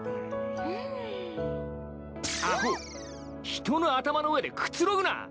人の頭の上でくつろぐな。